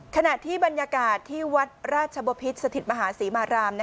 ขณะที่บรรยากาศที่วัดราชบพิษสถิตมหาศรีมาราม